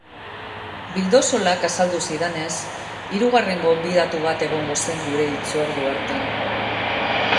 Bildosolak azaldu zidanez, hirugarren gonbidatu bat egongo zen gure hitzordu hartan.